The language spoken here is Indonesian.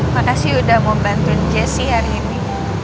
makasih udah membantuin jessy hari ini